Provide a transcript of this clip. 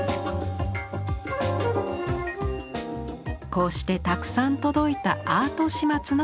こうしてたくさん届いた「アート・シマツ」の形。